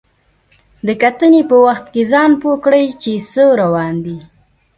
د کتنې په وخت کې ځان پوه کړئ چې څه روان دي.